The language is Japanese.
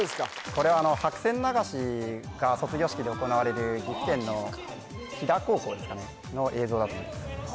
これは白線流しが卒業式で行われる岐阜県の斐太高校ですかねの映像だと思います